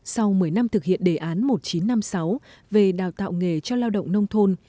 sau một mươi năm thực hiện đề án một nghìn chín trăm năm mươi sáu về đào tạo nghề cho lao động nông thôn